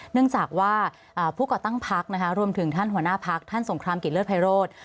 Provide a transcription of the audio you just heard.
เนื่องจากว่าผู้ก่อตั้งพักนะคะรวมถึงท่านหัวหน้าพักท่านสงครามกิจเลิศไพโรธ